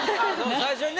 最初にね